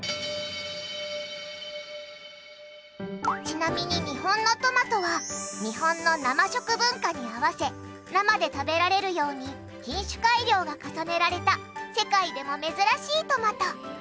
ちなみに日本のトマトは日本の生食文化に合わせ生で食べられるように品種改良が重ねられた世界でも珍しいトマト。